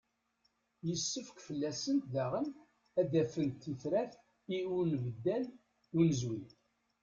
Yessefk fell-asent daɣen ad d-afent tifrat i unbeddal n unezwi.